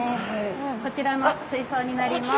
こちらの水槽になります。